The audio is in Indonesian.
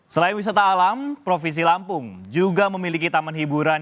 selain wisata alam provinsi lampung juga memiliki taman hiburan